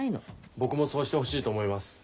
僕もそうしてほしいと思います。